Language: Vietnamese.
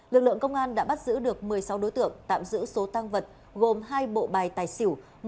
lực lượng công an đã bắt giữ được một mươi sáu đối tượng tạm giữ số tăng vật gồm hai bộ bài tài xỉu